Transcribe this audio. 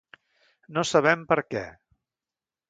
No sabem per què.